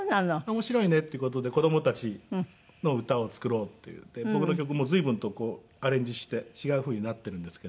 面白いねっていう事で子供たちの歌を作ろうっていって僕の曲も随分とこうアレンジして違うふうになっているんですけど。